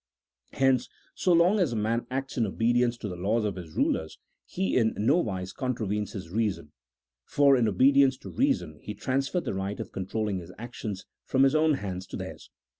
Hence, so long as a man acts in obedience to the laws of his rulers, he in nowise contravenes his reason, for in obe dience to reason he transferred the right of controlling his actions from his own hands to theirs.